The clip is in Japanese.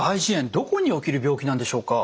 どこに起きる病気なんでしょうか？